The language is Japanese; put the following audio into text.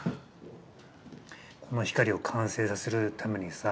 この光を完成させるためにさ